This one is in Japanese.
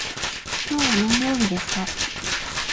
今日は何曜日ですか。